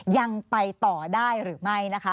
ยังไปต่อได้หรือไม่